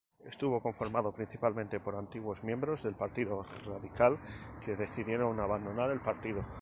Estuvo conformado principalmente por antiguos miembros del Partido Radical que decidieron abandonar el partido.